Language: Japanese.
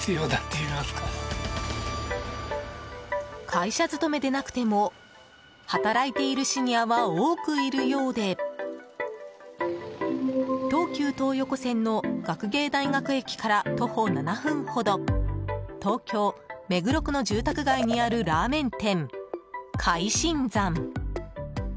会社勤めでなくても働いているシニアは多くいるようで東急東横線の学芸大学駅から徒歩７分ほど東京・目黒区の住宅街にあるラーメン店、海新山。